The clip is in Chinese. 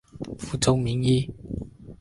福州名医。